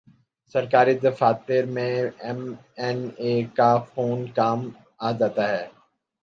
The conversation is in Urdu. سرکاری دفاتر میں ایم این اے کا فون کام آجا تا ہے۔